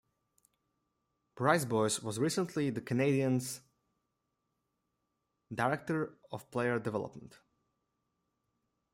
Brisebois was recently the Canadiens' Director of Player Development.